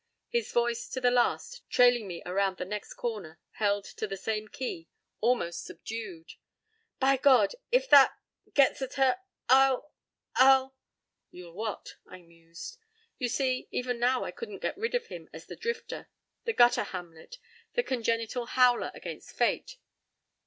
His voice to the last, trailing me around the next corner, held to the same key, almost subdued. "By God! if that—gets at her, I'll—I'll—" "You'll what?" I mused. You see, even now I couldn't get rid of him as the drifter, the gutter Hamlet, the congenital howler against fate.